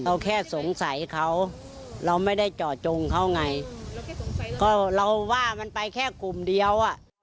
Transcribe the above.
แค่สงสัยเขาเราไม่ได้เจาะจงเขาไงก็เราว่ามันไปแค่กลุ่มเดียวอ่ะ